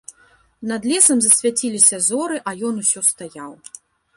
Над лесам засвяціліся зоры, а ён усё стаяў.